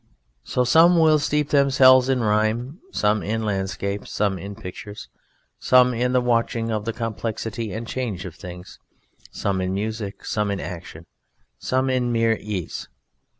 So some will steep themselves in rhyme, some in landscapes, some in pictures, some in the watching of the complexity and change of things, some in music, some in action, some in mere ease.